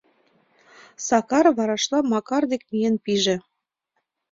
Сакар варашла Макар дек миен пиже.